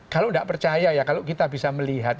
kalau tidak percaya ya kalau kita bisa melihat